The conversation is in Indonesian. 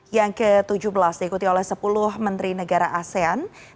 yang ke tujuh belas diikuti oleh sepuluh menteri negara asean